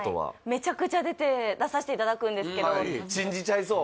めちゃくちゃ出て出させていただくんですけど信じちゃいそう？